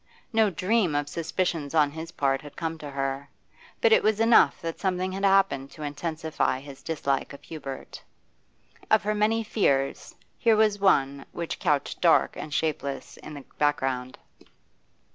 No dream of suspicions on his part had come to her, but it was enough that something had happened to intensify his dislike of Hubert. Of her many fears, here was one which couched dark and shapeless in the background.